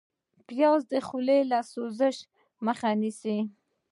پیاز د خولې له سوزش مخه نیسي